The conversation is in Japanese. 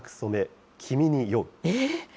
えっ？